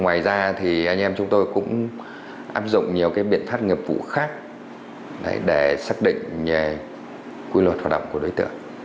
ngoài ra thì anh em chúng tôi cũng áp dụng nhiều cái biện pháp nghiệp vụ khác để xác định quy luật